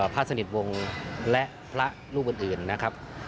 พระสนิทวงศ์และพระรูปอื่นนะครับ